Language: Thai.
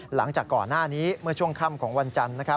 หลังจากก่อนหน้านี้เมื่อช่วงค่ำของวันจันทร์